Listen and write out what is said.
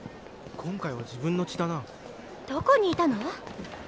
今回は自分の血だなどこにいたの？